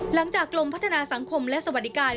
หลังจากกรมพัฒนาสังคมและสวัสดิการ